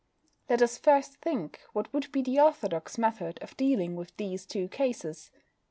Let us first think what would be the orthodox method of dealing with these two cases?